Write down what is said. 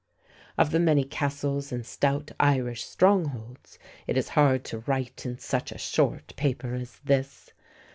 Of the many castles and stout Irish strongholds it is hard to write in such a short paper as this.